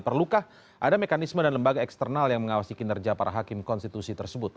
perlukah ada mekanisme dan lembaga eksternal yang mengawasi kinerja para hakim konstitusi tersebut